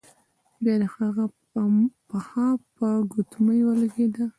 بیا د هغه پښه په ګوتمۍ ولګیده.